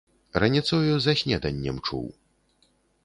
Раніцою за снеданнем чуў.